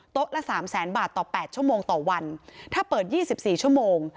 โต๊ะละสามแสนบาทต่อแปดชั่วโมงต่อวันถ้าเปิดยี่สิบสี่ชั่วโมง